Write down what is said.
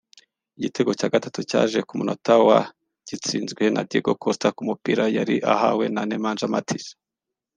Igitego cya gatatu cyaje ku munota wa ' gitsinzwe na Diego Costa ku mupira yari ahawe na Nemanja Matic